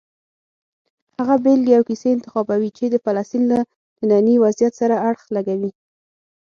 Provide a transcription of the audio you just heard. هغه بېلګې او کیسې انتخابوي چې د فلسطین له ننني وضعیت سره اړخ لګوي.